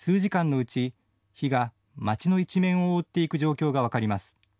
数時間のうち火が街の一面を覆っていく状況が分かります。